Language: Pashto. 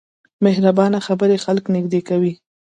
مهربانه خبرې خلک نږدې کوي.